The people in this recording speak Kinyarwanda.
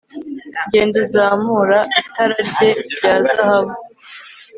Genda uzamura itara rye rya zahabu